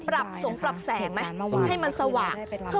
ปรับสมปรับแสงไหมให้มันสวา